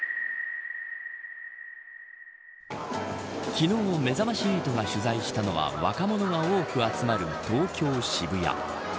昨日めざまし８が取材したのは若者が多く集まる東京・渋谷。